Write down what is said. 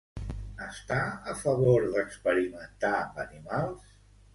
Està a favor d'experimentar amb animals?